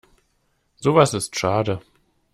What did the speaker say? Sowas ist schade.